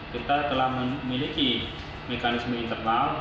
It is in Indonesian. kita telah memiliki mekanisme internal